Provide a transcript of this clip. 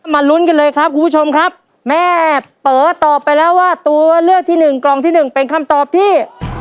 ลุ้นกันเลยครับคุณผู้ชมครับแม่เป๋อตอบไปแล้วว่าตัวเลือกที่หนึ่งกล่องที่หนึ่งเป็นคำตอบที่